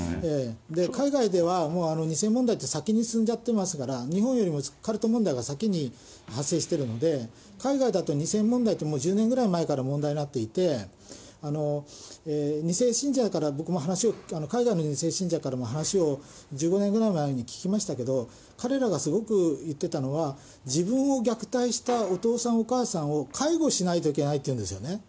海外では２世問題って先に進んじゃってますから、日本よりも先にカルト問題は先に発生しているので、海外だと２世問題ってもう１０年ぐらい前から問題になっていて、２世信者だから、僕も海外の２世信者から話を１５年ぐらい前に聞きましたけれども、彼らがすごく言ってたのは、自分を虐待したお父さん、お母さんを介護しないといけないっていうんですよね。